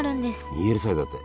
２Ｌサイズだって。